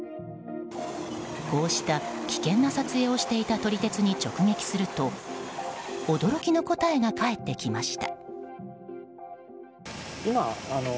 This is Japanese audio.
こうした危険な撮影をしていた撮り鉄に直撃すると驚きの答えが返ってきました。